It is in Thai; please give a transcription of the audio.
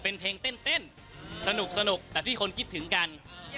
เป็นเพลงเต้นสนุกแต่ที่คนคิดถึงกัน